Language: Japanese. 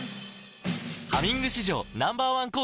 「ハミング」史上Ｎｏ．１抗菌